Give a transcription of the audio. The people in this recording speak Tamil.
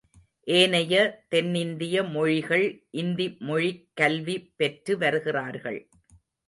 ஏனைய தென்னிந்திய மொழிகள் இந்தி மொழிக் கல்வி பெற்று வருகிறார்கள்.